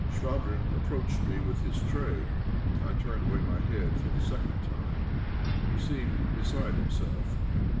Chvabrine approached me with his tray. I turned away my head for the second time. He seemed beside himself.